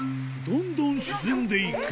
どんどん沈んでいく。